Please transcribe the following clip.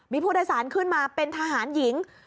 มีผู้โดยสารขึ้นมาเป็นทหารหญิง